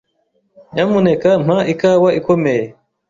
Nyamuneka mpa ikawa ikomeye.